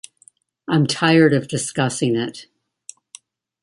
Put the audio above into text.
I'm tired of discussing it.